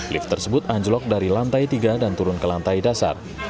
lift tersebut anjlok dari lantai tiga dan turun ke lantai dasar